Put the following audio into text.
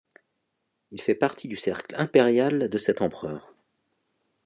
Il fait partie du cercle impérial de cet empereur.